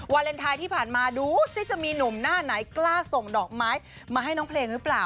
เลนไทยที่ผ่านมาดูสิจะมีหนุ่มหน้าไหนกล้าส่งดอกไม้มาให้น้องเพลงหรือเปล่า